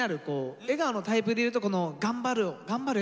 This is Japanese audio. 笑顔のタイプで言うと頑張る笑顔。